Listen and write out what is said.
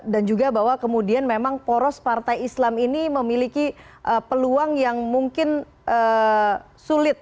dan juga bahwa kemudian memang poros partai islam ini memiliki peluang yang mungkin sulit